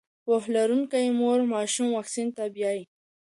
پوهه لرونکې مور ماشوم واکسین ته بیايي.